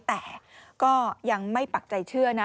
แต่ก็ยังไม่ปักใจเชื่อนะ